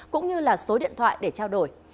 cũng như là số điện thoại để trao đổi